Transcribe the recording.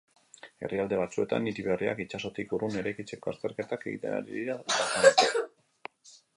Herrialde batzuetan hiri berriak itsasotik urrun eraikitzeko azterketak egiten ari dira dagoeneko.